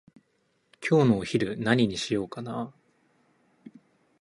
今日のお昼何にしようかなー？